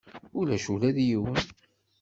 Ulac ula d yiwen.